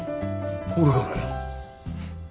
これからや。